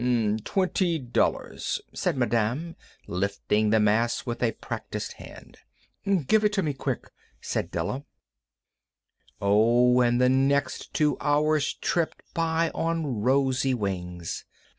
"Twenty dollars," said Madame, lifting the mass with a practised hand. "Give it to me quick," said Della. Oh, and the next two hours tripped by on rosy wings.